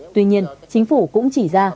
tuy nhiên chính phủ cũng chỉ ra